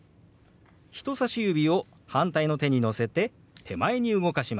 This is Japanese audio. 人さし指を反対の手に乗せて手前に動かします。